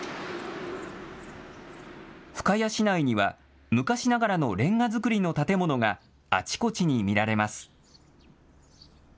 深谷市内には昔ながらのレンガ造りの建物があちこちに見られます。